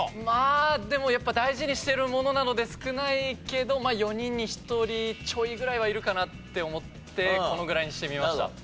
まあでもやっぱ大事にしてるものなので少ないけど４人に１人ちょいぐらいはいるかなって思ってこのぐらいにしてみました。